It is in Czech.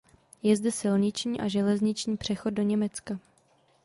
Je zde silniční a železniční přechod do Německa.